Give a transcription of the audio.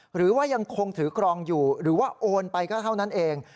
หรือว่ายังคงถือครองอยู่หรือว่าโอนไปก็เท่านั้นเอง